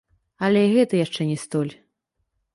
Але і гэта яшчэ не столь.